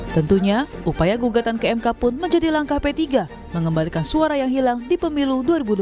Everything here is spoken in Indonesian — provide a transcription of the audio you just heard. tentunya upaya gugatan ke mk pun menjadi langkah p tiga mengembalikan suara yang hilang di pemilu dua ribu dua puluh